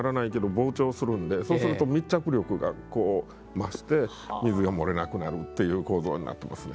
膨張するんでそうすると密着力が増して水が漏れなくなるっていう構造になってますね。